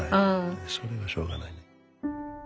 それはしょうがない。